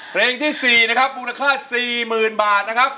เผลงที่๔นะครับมูลค่า๔๐๐๐๐บาท